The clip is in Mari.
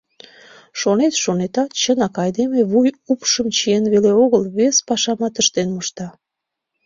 Шонет-шонетат, чынак, айдеме вуй упшым чиен веле огыл, вес пашамат ыштен мошта.